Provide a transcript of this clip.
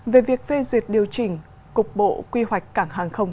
về việc phê duyệt điều chỉnh cục bộ quy hoạch cảng hàng không